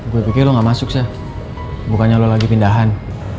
gue pikir lo gak masuk sih bukannya lo lagi pindahan